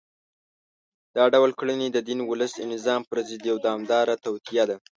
دا ډول کړنې د دین، ولس او نظام پر ضد یوه دوامداره توطیه ده